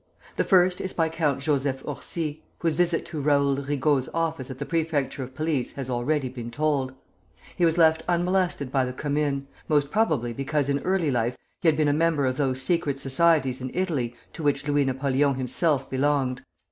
The first is by Count Joseph Orsi, whose visit to Raoul Rigault's office at the Prefecture of Police has already been told. He was left unmolested by the Commune, most probably because in early life he had been a member of those secret societies in Italy to which Louis Napoleon himself belonged.